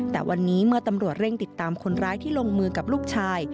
แต่วันนี้เมื่อตำรวจเร่งติดตามคนร้ายที่ลงมือกับลูกชาย